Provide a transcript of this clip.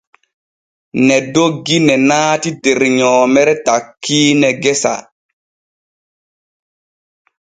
Ne doggi ne naati der nyoomere takkiine gesa.